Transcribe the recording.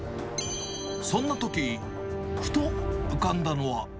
そんなとき、ふと浮かんだのは。